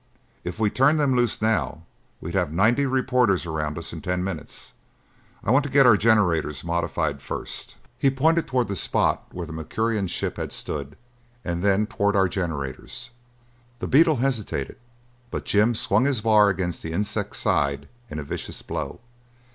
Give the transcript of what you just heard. If we turned them loose now, we'd have ninety reporters around us in ten minutes. I want to get our generators modified first." He pointed toward the spot where the Mercurian ship had stood and then toward our generators. The beetle hesitated, but Jim swung his bar against the insect's side in a vicious blow.